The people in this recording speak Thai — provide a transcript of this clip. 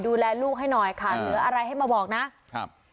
ดูแลลูกให้หน่อยค่ะเหลืออะไรให้มาบอกนะครับ